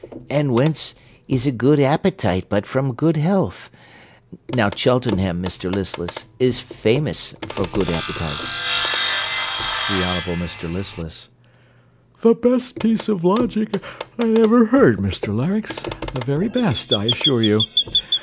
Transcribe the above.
and whence is a good appetite but from good health? Now, Cheltenham, Mr Listless, is famous for good appetites. THE HONOURABLE MR LISTLESS The best piece of logic I ever heard, Mr Larynx; the very best, I assure you.